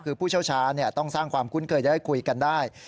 คือผู้เชี่ยวชาต้องสร้างความคุ้นเคยจะได้คุยกันได้